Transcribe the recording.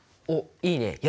おっいいね！